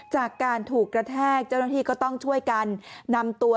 จากการถูกกระแทกเจ้าหน้าที่ก็ต้องช่วยกันนำตัว